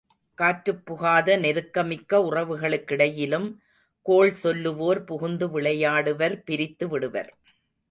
காற்றுப் புகாத நெருக்கமிக்க உறவுகளுக்கிடையிலும் கோள் சொல்லுவோர் புகுந்து விளையாடுவர் பிரித்து விடுவர்.